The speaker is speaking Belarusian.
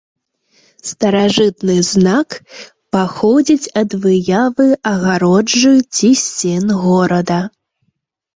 Старажытны знак паходзіць ад выявы агароджы ці сцен горада.